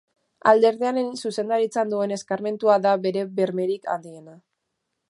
Alderdiaren zuzendaritzan duen eskarmentua da bere bermerik handiena.